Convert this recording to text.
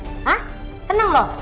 hah senang lo